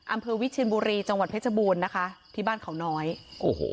อำเภอวิเชียนบุรีจังหวัดเพชรบูรณ์นะคะที่บ้านเขาน้อยโอ้โห